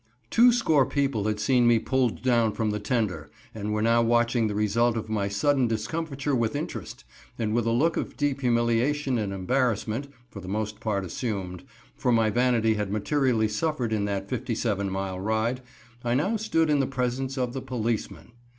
_ Two score people had seen me pulled down from the tender, and were now watching the result of my sudden discomfiture with interest, and with a look of deep humiliation and embarrassment for the most part assumed for my vanity had materially suffered in that fifty seven mile ride, I now stood in the presence of the policeman.